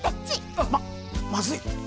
ままずい。